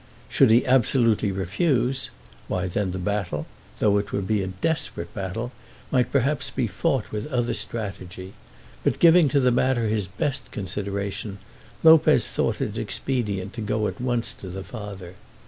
Should he absolutely refuse, why then the battle, though it would be a desperate battle, might perhaps be fought with other strategy; but, giving to the matter his best consideration, Lopez thought it expedient to go at once to the father.